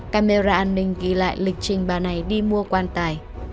camera an ninh ghi lại lịch trình bà này đi mua quan tài